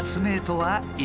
はい。